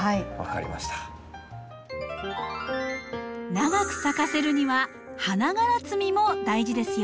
長く咲かせるには花がら摘みも大事ですよ。